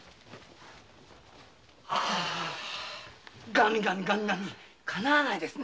ガミガミとかなわないですね。